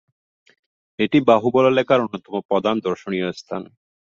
এটি বাহুবল এলাকার অন্যতম প্রধান দর্শনীয় স্থান।